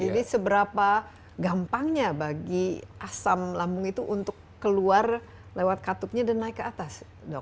jadi seberapa gampangnya bagi asam lambung itu untuk keluar lewat katupnya dan naik ke atas dok